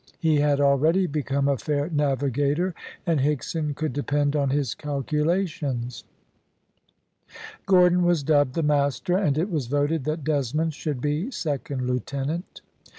He had already become a fair navigator, and Higson could depend on his calculations. Gordon was dubbed the "Master," and it was voted that Desmond should be "Second Lieutenant."